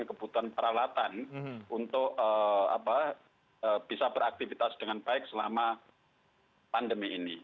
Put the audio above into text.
kebutuhan peralatan untuk bisa beraktivitas dengan baik selama pandemi ini